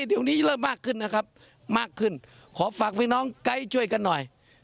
เดี๋ยวจะมากขึ้นขอฝากพี่น้องไกด์ช่วยกันหน่อย